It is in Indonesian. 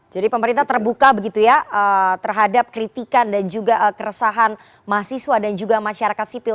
jadi pemerintah terbuka begitu ya terhadap kritikan dan juga keresahan mahasiswa dan juga masyarakat sipil